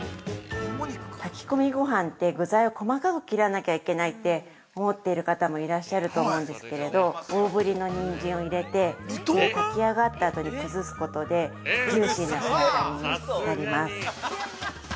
◆炊き込みごはんて、具材を細かく切らなきゃいけないって思ってる方もいらっしゃると思うんですけど、大ぶりのニンジンを入れて炊き上がったあとに崩すことでジューシーな仕上がりになります。